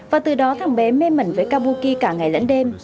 và từ đó thẳng bé mê mẩn với kabuki cả ngày lẫn đêm